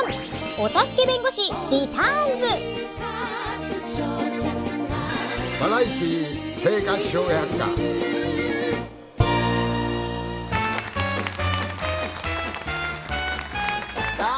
お助け弁護士リターンズさあ